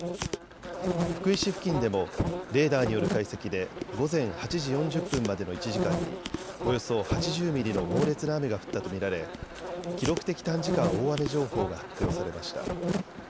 福井市付近でもレーダーによる解析で午前８時４０分までの１時間におよそ８０ミリの猛烈な雨が降ったと見られ記録的短時間大雨情報が発表されました。